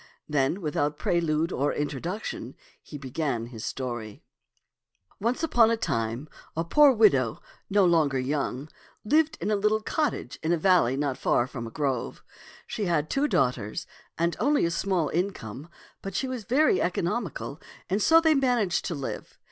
Then, without prelude or introduction, he began his story. THE COCK, THE HEN, AND THE FOX ONCE upon a time a poor widow, no longer young, lived in a little cottage in a valley not far from a grove. She had two daughters and only a small income, but she was very economical, and so they managed to live.